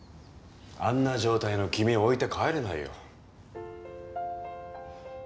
あんな状態の君を置いて帰れないよ。